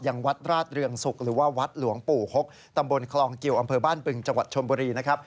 ยังวัดราชเรืองศุกร์หรือว่าวัดหลวงปู่หกตำบลคลองกิวอำเภอบ้านบึงจังหวัดชนบุรีนะครับ